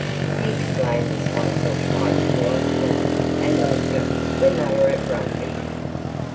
He explained this once or twice to Osborne and Roger when they were at Rugby.